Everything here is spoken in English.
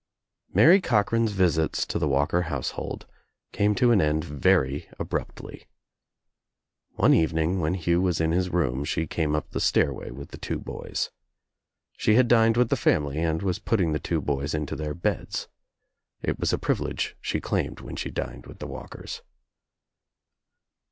Mary Cochran's visits to the Walker household ame to an end very abruptly. One evening when :lugh was In his room she came up the stairway with lie two hoys. She had dined with the family and ■tvas putting the two boys into their beds. It was a privilege she claimed when she dined with the Walkers.